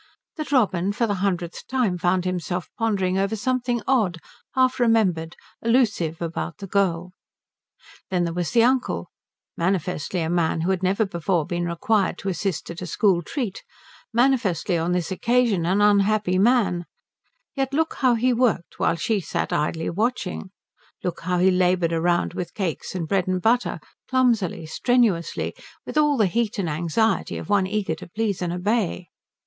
that Robin for the hundredth time found himself pondering over something odd, half remembered, elusive about the girl. Then there was the uncle; manifestly a man who had never before been required to assist at a school treat, manifestly on this occasion an unhappy man, yet look how he worked while she sat idly watching, look how he laboured round with cakes and bread and butter, clumsily, strenuously, with all the heat and anxiety of one eager to please and obey.